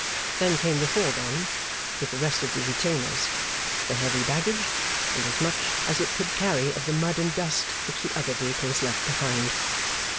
Then came the fourgon with the rest of the retainers, the heavy baggage, and as much as it could carry of the mud and dust which the other vehicles left behind.